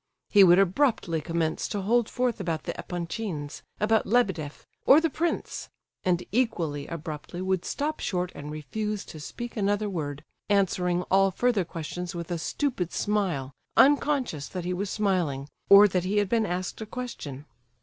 He would abruptly commence to hold forth about the Epanchins, about Lebedeff, or the prince, and equally abruptly would stop short and refuse to speak another word, answering all further questions with a stupid smile, unconscious that he was smiling, or that he had been asked a question.